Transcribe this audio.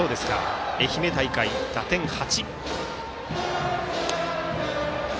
愛媛大会は打点８。